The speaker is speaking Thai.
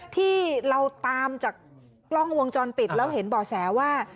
ที่เราตามจากกล้องวงจรปิดแล้วเห็นบ่อแสว่า